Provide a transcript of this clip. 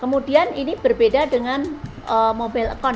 kemudian ini berbeda dengan misalnya misalnya misalnya